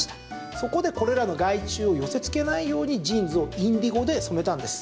そこでこれらの害虫を寄せつけないようにジーンズをインディゴで染めたんです。